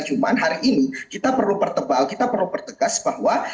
cuma hari ini kita perlu pertebal kita perlu pertegas bahwa